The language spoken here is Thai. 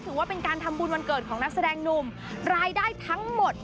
ถือว่าเป็นการทำบุญวันเกิดของนักแสดงหนุ่มรายได้ทั้งหมด